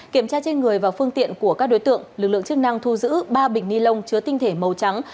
kiểm tra trên người và phương tiện của các đối tượng lực lượng chức năng thu giữ ba bịch ni lông chứa tinh thể màu trắng